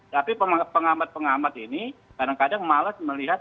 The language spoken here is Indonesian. tapi pengamat pengamat ini kadang kadang malas melihat